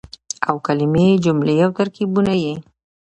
او کلمې ،جملې او ترکيبونه يې